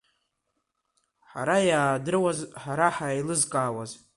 Ҳара иаадыруаз, ҳара ҳаилызкаауаз!